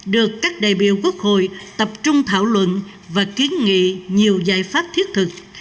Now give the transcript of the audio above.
được các đại biểu quốc hội tập trung thảo luận và kiến nghị nhiều giải pháp thiết thực